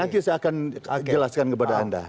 nanti saya akan jelaskan kepada anda